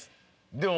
でも。